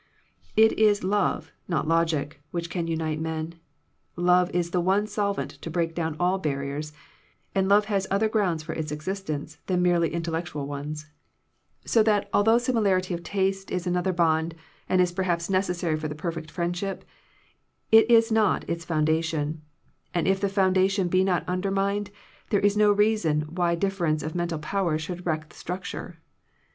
It is love, not logic, which can unite men. Love is the one solvent to break down all barriers, and love has other grounds for its existence than merely intellectual ones. So that 153 Digitized by VjOOQIC THE WRECK OF FRIENDSHIP although similarity of taste is another bond and is perhaps necessary for the perfect friendship, it is not its founda tion; and if the foundation be not under mined, there is no reason why difference of mental power should wreck the struc ture.